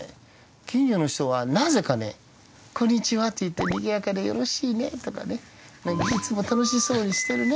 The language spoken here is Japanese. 近所の人はなぜかね「こんにちはにぎやかでよろしいね」とかね「いつも楽しそうにしてるね」